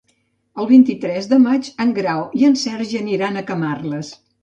El vint-i-tres de maig en Grau i en Sergi aniran a Camarles.